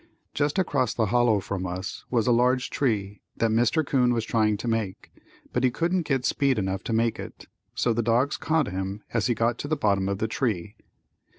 Just across the hollow from us was a large tree that Mr. 'Coon was trying to make but he couldn't get speed enough to make it, so the dogs caught him as he got to the bottom of the tree.